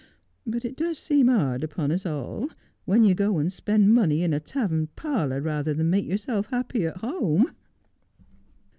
But it does seem hard upon us all when you go and spend money in a tavern parlour rather than make yourself happy at home.'